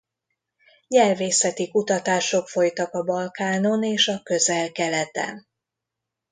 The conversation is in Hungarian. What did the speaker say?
Nyelvészeti kutatások folytak a Balkánon és a Közel-Keleten.